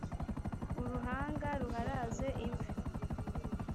uruhanga ruharaze imvi